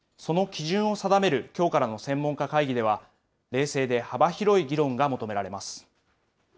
その基準を定めるきょうからの専門家会議では、冷静で幅広い議論が求められます。